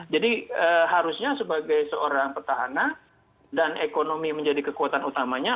jadi harusnya sebagai seorang petahana dan ekonomi menjadi kekuatan utamanya